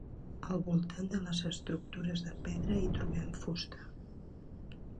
Al voltant de les estructures de pedra hi trobem fusta.